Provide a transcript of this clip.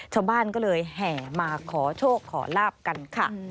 ชาวบ้านก็เลยแห่มาขอโชคขอลาบกันค่ะ